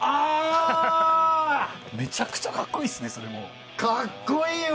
めちゃくちゃ格好いいですね、それも。